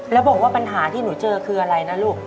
แล้วบอกว่าปัญหาที่หนูเจอคืออะไรนะลูก